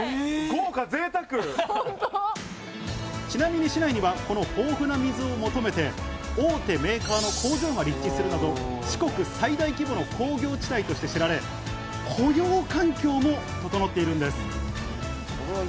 ちなみに市内にはこの豊富な水を求めて大手メーカーの工場が立地するなど四国最大規模の工業地帯として知られ、雇用環境も整っているんです。